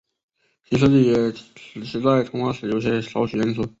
其设计也使其在通话时有少许延迟。